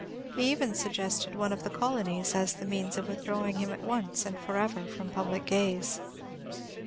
He even suggested one of the Colonies as the means of withdrawing him at once, and forever, from public gaze.